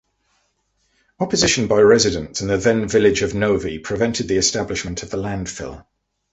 Opposition by residents and the then-Village of Novi prevented the establishment of the landfill.